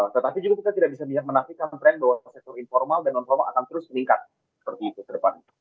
tetapi juga kita tidak bisa menafikan tren bahwa sektor informal dan non formal akan terus meningkat seperti itu ke depan